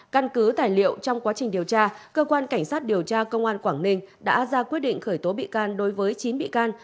căn cứ tài liệu trong quá trình điều tra cơ quan cảnh sát điều tra công an quảng ninh đã ra quyết định khởi tố bị can đối với chín bị can